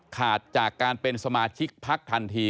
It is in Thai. ขาดจากการเป็นสมาชิกพักทันที